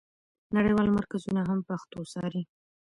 نړیوال مرکزونه هم پښتو څاري.